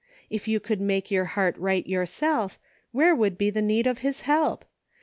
* If you could make your heart right yourself, where would be tke need of his help .